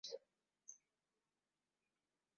Baba yake alikuwa mpishi mbobevu.